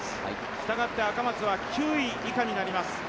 したがって赤松は９位以下になります。